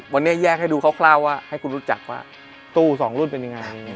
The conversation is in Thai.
วันนี้แยกให้ดูคร่าวว่าให้คุณรู้จักว่าตู้สองรุ่นเป็นยังไง